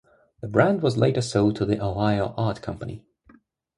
The brand was later sold to the Ohio Art Company.